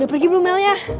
udah pergi belum melnya